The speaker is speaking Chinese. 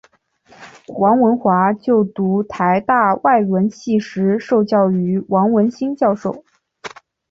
王文华就读台大外文系时受教于王文兴教授。